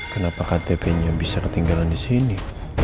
kenapa ktp nya bisa ketinggalan di sini